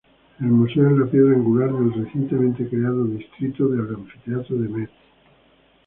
El museo es la piedra angular del recientemente creado Distrito del Anfiteatro de Metz.